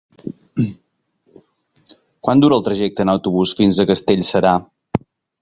Quant dura el trajecte en autobús fins a Castellserà?